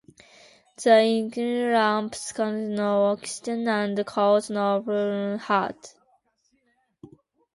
The incandescent lamps consume no oxygen, and cause no perceptible heat.